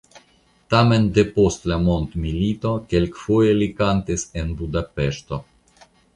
Tamen depost la mondomilito kelkfoje li kantis en Budapeŝto.